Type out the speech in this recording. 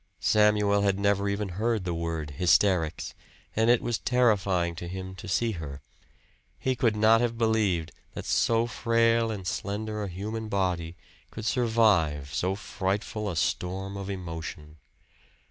Samuel had never even heard the word hysterics, and it was terrifying to him to see her he could not have believed that so frail and slender a human body could survive so frightful a storm of emotion.